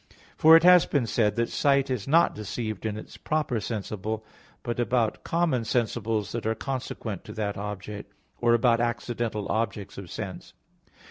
For it has been said (A. 2) that sight is not deceived in its proper sensible, but about common sensibles that are consequent to that object; or about accidental objects of sense.